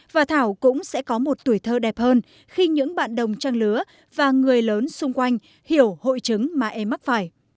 và thảo cũng sẽ có một tuổi thơ đẹp hơn khi những bạn đồng trang lứa và người lớn xung quanh hiểu hội chứng mà em mắc phải